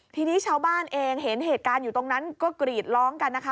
ทีนี้ชาวบ้านเองเห็นเหตุการณ์อยู่ตรงนั้นก็กรีดร้องกันนะคะ